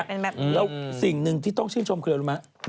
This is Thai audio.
แล้วสิ่งหนึ่งที่ต้องชื่นชมคือเรารู้ไหม